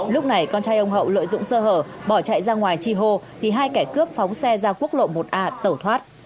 lúc này con trai ông hậu lợi dụng sơ hở bỏ chạy ra ngoài chi hô thì hai kẻ cướp phóng xe ra quốc lộ một a tẩu thoát